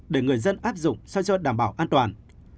để người dân áp dụng so với đảm bảo an toàn